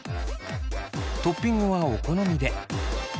トッピングはお好みで。